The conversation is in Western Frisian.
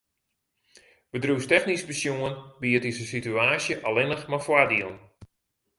Bedriuwstechnysk besjoen biedt dizze situaasje allinnich mar foardielen.